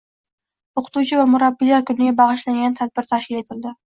O‘qituvchi va murabbiylar kuniga bag‘ishlangan tadbir tashkil etildi